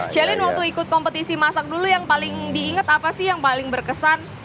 celine waktu ikut kompetisi masak dulu yang paling diinget apa sih yang paling berkesan